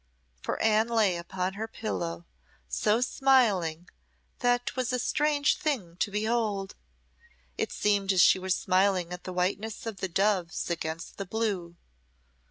For Anne lay upon her pillow so smiling that 'twas a strange thing to behold. It seemed as she were smiling at the whiteness of the doves against the blue.